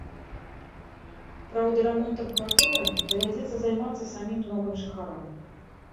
Праўда, рамонтам кватэры давядзецца займацца самім новым жыхарам.